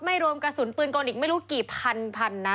ไม่รวมกระสุนปืนกรงอีกไม่รู้กี่พันนัด